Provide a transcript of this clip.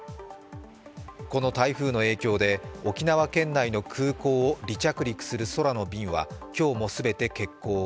この台風の影響で沖縄県内の空港を離着陸する空の便は今日も全て欠航。